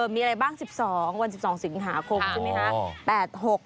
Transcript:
มีอะไรบ้าง๑๒วัน๑๒สิงหาคมใช่ไหมคะ